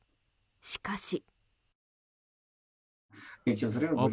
しかし。